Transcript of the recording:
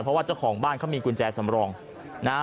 เพราะว่าเจ้าของบ้านเขามีกุญแจสำรองนะฮะ